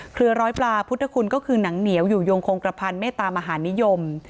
ร้อยปลาพุทธคุณก็คือหนังเหนียวอยู่ยงคงกระพันเมตามหานิยม